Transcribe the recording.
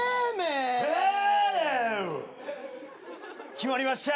決まりました